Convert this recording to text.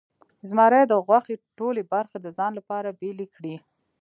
زمري د غوښې ټولې برخې د ځان لپاره بیلې کړې.